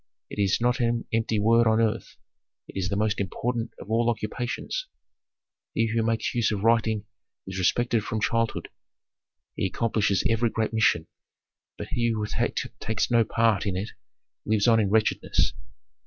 It is not an empty word on earth, it is the most important of all occupations. He who makes use of writing is respected from childhood; he accomplishes every great mission. But he who takes no part in it lives on in wretchedness.